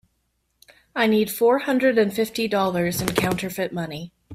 I need four hundred and fifty dollars in counterfeit money.